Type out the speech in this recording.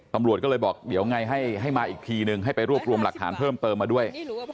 ตำรวจก็เลยบอกเดี๋ยวไงให้มาอีกทีนึงให้ไปรวบรวมหลักฐานเพิ่มเติมมาด้วย